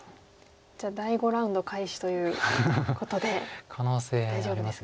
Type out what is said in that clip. じゃあ第５ラウンド開始ということで大丈夫ですかね。